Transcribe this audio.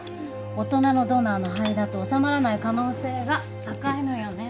大人のドナーの肺だと収まらない可能性が高いのよね。